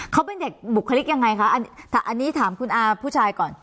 เขาเป็นเด็กบุคลิกยังไงคะอันนี้ถามคุณอาผู้ชายก่อน